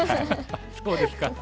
そうですか。